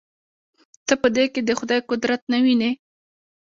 ته په دې کښې د خداى قدرت نه وينې.